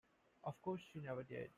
Of course you never did.